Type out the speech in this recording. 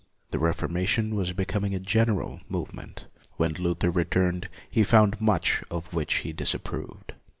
The Reformation was becoming a general movement. When Luther returned, he found much of which he disapproved.